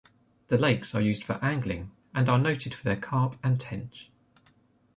The lakes are used for angling, and are noted for their carp and tench.